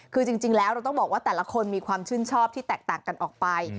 คือจริงแล้วเราต้องบอกว่าแต่ละคนมีความชื่นชอบที่แตกต่างกันออกไป